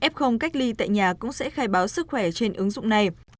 f cách ly tại nhà cũng sẽ khai báo sức khỏe trên ứng dụng này